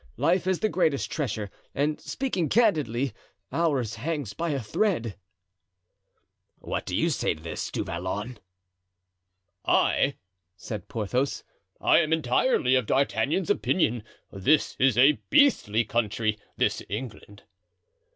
Life is the greatest treasure, and speaking candidly, ours hangs by a thread." "What do you say to this, Du Vallon?" "I," said Porthos, "I am entirely of D'Artagnan's opinion; this is a 'beastly' country, this England."